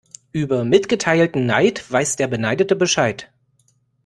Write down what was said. Über mitgeteilten Neid weiß der Beneidete Bescheid.